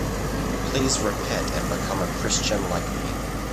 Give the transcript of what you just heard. Please repent and become a Christian like me.